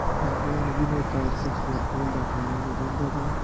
د افغان وینې ته ارزښت ورکول د افغانانو دنده ده.